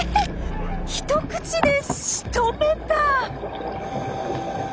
一口でしとめた！